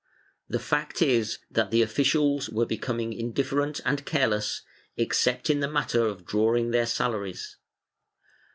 The fact is, that the officials were becoming indifferent and care less, except in the matter of drawing their salaries.